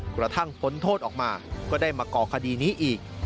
พ้นโทษออกมาก็ได้มาก่อคดีนี้อีก